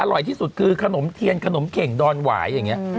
อร่อยที่สุดคือขนมเทียนขนมเข่งดอนหวายอย่างนี้